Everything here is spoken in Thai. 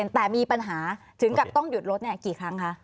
แต่มีปัญหาถึงกับต้องหยุดรถกี่ครั้งคะ